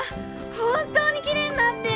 本当にきれいになってる！